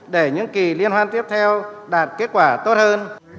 để những kỳ liên hoan tiếp theo đạt kết quả tốt hơn